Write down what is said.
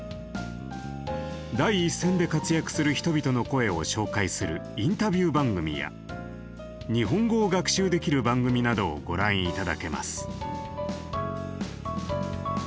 第一線で活躍する人々の声を紹介するインタビュー番組や日本語を学習できる番組などをご覧頂けます。